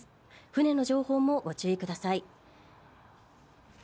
船の情報もご注意ください。